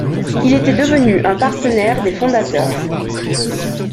Il était devenu un partenaire des fondateurs.